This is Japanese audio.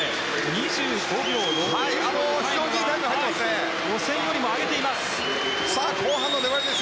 ２５秒６９と予選よりも上げています。